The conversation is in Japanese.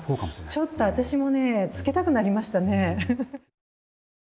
ちょっと私もねつけたくなりましたね。